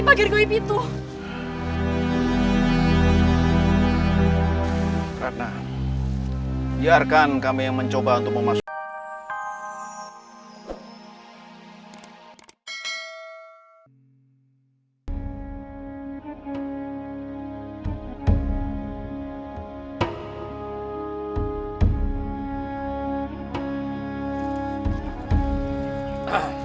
biarkan kami yang mencoba untuk memasukkan